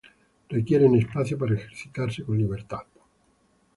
Requieren espacio para ejercitarse con libertad.